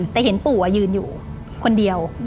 แต่เห็นปู่ยืนอยู่คนเดียว